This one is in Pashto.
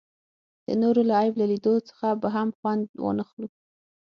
د نورو له عیب له لیدلو څخه به هم خوند وانخلو.